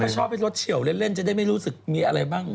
ชอบให้รถเฉียวเล่นจะได้ไม่รู้สึกมีอะไรบ้าง